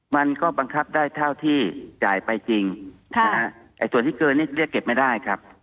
มันก็บังคับได้เท่าที่จ่ายไปจริงส่วนที่เกินนี้เรียกเก็บไม่ได้ครับ